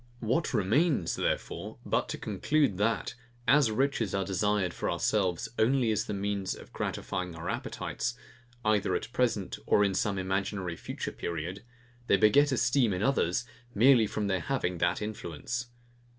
What remains, therefore, but to conclude, that, as riches are desired for ourselves only as the means of gratifying our appetites, either at present or in some imaginary future period, they beget esteem in others merely from their having that influence.